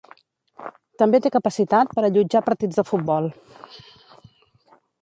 També té capacitat per allotjar partits de futbol.